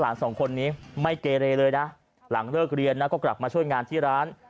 สองคนนี้ไม่เกเรเลยนะหลังเลิกเรียนนะก็กลับมาช่วยงานที่ร้าน